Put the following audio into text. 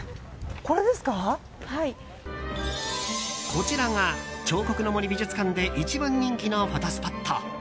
こちらが彫刻の森美術館で一番人気のフォトスポット。